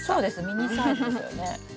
ミニサイズですよね。